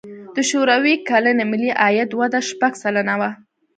د شوروي کلني ملي عاید وده شپږ سلنه وه.